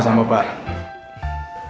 sampai jumpa lagi